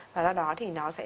và do đó thì nó sẽ